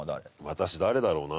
私誰だろうな。